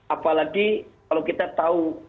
apalagi kalau kita tahu